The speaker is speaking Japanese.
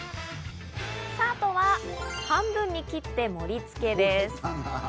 あとは半分に切って盛り付けです。